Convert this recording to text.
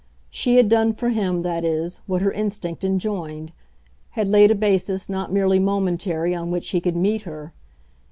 She had done for him, that is, what her instinct enjoined; had laid a basis not merely momentary on which he could meet her.